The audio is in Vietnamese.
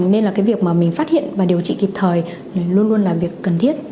nên là cái việc mà mình phát hiện và điều trị kịp thời luôn luôn là việc cần thiết